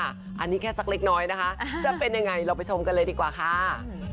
อันนี้แค่สักเล็กน้อยนะคะจะเป็นยังไงเราไปชมกันเลยดีกว่าค่ะ